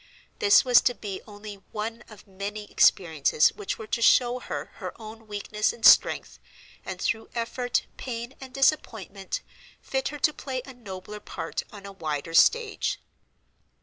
This was to be only one of many experiences which were to show her her own weakness and strength, and through effort, pain, and disappointment fit her to play a nobler part on a wider stage.